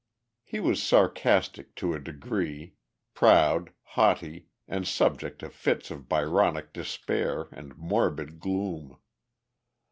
He was sarcastic to a degree, proud, haughty, and subject to fits of Byronic despair and morbid gloom.